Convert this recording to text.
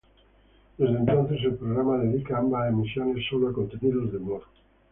Desde entonces, el programa dedica ambos emisiones sólo a contenidos de humor.